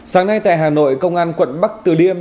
sáng nay tại hà nội công an quận bắc từ liêm